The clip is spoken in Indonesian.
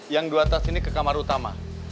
yang diatas ini ke kamar utama